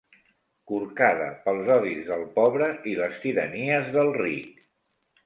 Corcada pels odis del pobre i les tiranies del ric